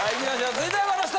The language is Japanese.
続いてはこの人！